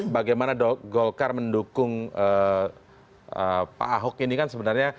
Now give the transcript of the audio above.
bagaimana golkar mendukung pak ahok ini kan sebenarnya